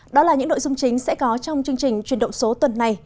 đó là những nội dung chính sẽ có trong chương trình chuyển động số tuần này